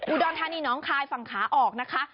อุดรธานีน้องคายฝั่งขาออกนะคะ